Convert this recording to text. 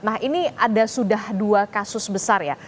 nah ini ada sudah dua kasus besar ya